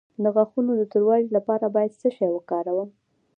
د غاښونو د توروالي لپاره باید څه شی وکاروم؟